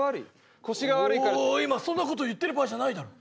ああ今そんなこと言ってる場合じゃないだろ。